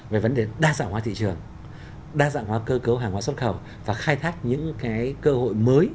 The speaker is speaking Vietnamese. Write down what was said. về vấn đề đa dạng hóa thị trường đa dạng hóa cơ cấu hàng hóa xuất khẩu và khai thác những cơ hội mới